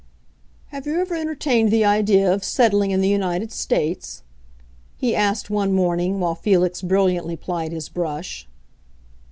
"Have you ever entertained the idea of settling in the United States?" he asked one morning, while Felix brilliantly plied his brush.